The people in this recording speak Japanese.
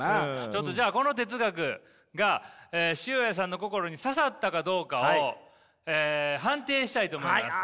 ちょっとじゃあこの哲学が塩屋さんの心に刺さったかどうかを判定したいと思います。